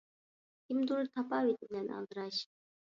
كىمدۇر «تاپاۋىتى» بىلەن ئالدىراش.